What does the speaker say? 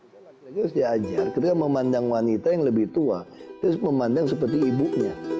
dia harus diajar dia memandang wanita yang lebih tua dia harus memandang seperti ibunya